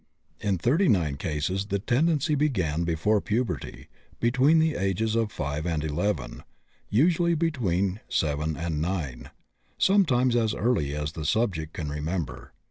In 39 cases the tendency began before puberty, between the ages of 5 and 11, usually between 7 and 9, sometimes as early as the subject can remember.